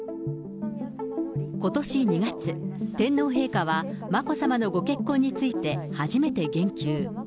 ことし２月、天皇陛下は眞子さまのご結婚について、初めて言及。